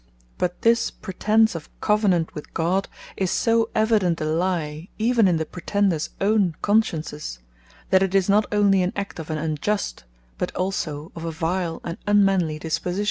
But this pretence of Covenant with God, is so evident a lye, even in the pretenders own consciences, that it is not onely an act of an unjust, but also of a vile, and unmanly disposition.